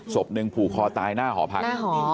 ศพหนึ่งผูกคอตายหน้าหอพัก